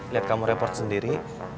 liat kamu report sendiri